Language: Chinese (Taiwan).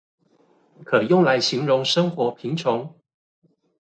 可用來形容生活貧窮？